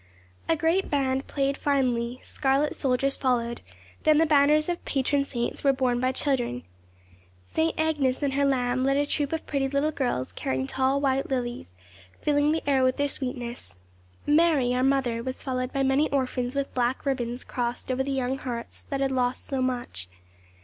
A great band played finely, scarlet soldiers followed, then the banners of patron saints were borne by children. Saint Agnes and her lamb led a troop of pretty little girls carrying tall white lilies, filling the air with their sweetness. Mary, Our Mother, was followed by many orphans with black ribbons crossed over the young hearts that had lost so much.